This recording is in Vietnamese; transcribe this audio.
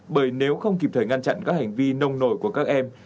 bởi nếu không kịp thời ngăn chặn các hành vi nông nổi của các em